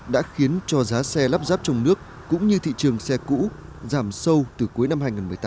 đã khiến cho giá xe lắp ráp trong nước cũng như thị trường xe cũ giảm sâu từ cuối năm hai nghìn một mươi tám